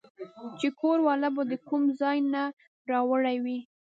چې کور والا به د کوم ځاے نه راوړې وې